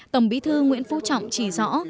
tổng bí thư nguyễn phú trọng chỉ rõ